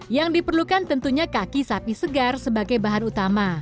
yang diperlukan tentunya kaki sapi segar sebagai bahan utama